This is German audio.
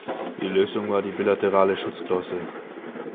Die Lösung war die bilaterale Schutzklausel.